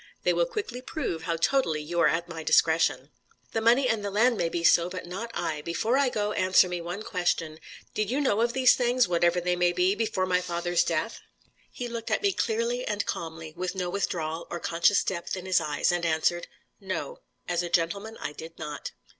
They will quickly prove how totally you are at my discretion." "The money and the land may be so, but not I. Before I go, answer me one question. Did you know of these things, whatever they may be, before my father's death?" He looked at me clearly and calmly, with no withdrawal, or conscious depth in his eyes, and answered: "No. As a gentleman, I did not."